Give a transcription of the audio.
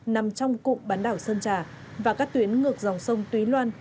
nằm trong cụm bán đảo sơn trà và các tuyến ngược dòng sông túy loan